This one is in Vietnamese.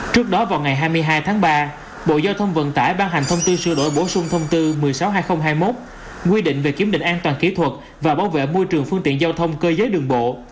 trước đó vào ngày hai mươi hai tháng ba bộ giao thông vận tải ban hành thông tư sửa đổi bổ sung thông tư một mươi sáu hai nghìn hai mươi một quy định về kiểm định an toàn kỹ thuật và bảo vệ môi trường phương tiện giao thông cơ giới đường bộ